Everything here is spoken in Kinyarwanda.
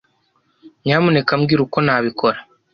nyamuneka mbwira uko nabikora